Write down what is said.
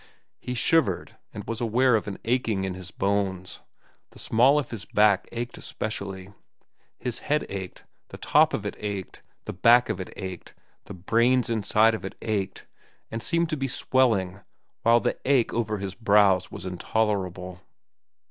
He shivered, and was aware of an aching in his bones. The small of his back ached especially. His head ached, the top of it ached, the back of it ached, the brains inside of it ached and seemed to be swelling, while the ache over his brows was intolerable.